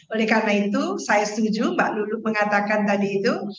oleh karena itu saya setuju pak lulu mengatakan tadi itu